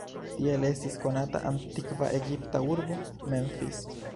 Tiel estis konata antikva egipta urbo "Memphis".